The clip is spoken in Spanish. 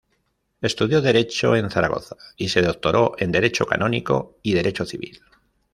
Estudió derecho en Zaragoza, y se doctoró en derecho canónico y derecho civil.